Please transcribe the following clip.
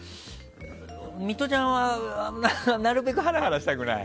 ミトちゃんは、なるべくハラハラしたくない？